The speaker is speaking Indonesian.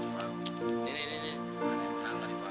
jangan terlalu lama